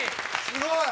すごい！